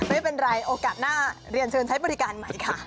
ไม่เป็นไรโอกาสหน้าเรียนเชิญใช้บริการใหม่ค่ะ